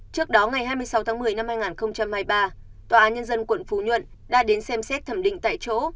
trước đó ngày hai mươi sáu tháng một mươi năm hai nghìn hai mươi ba tòa án nhân dân quận phú nhuận đã đến xem xét thẩm định tại chỗ